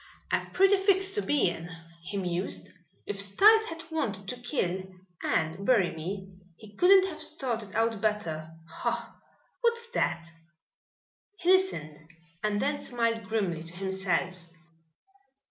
"A pretty fix to be in," he mused. "If Styles had wanted to kill and bury me he couldn't have started out better. Ha! What's that?" He listened and then smiled grimly to himself.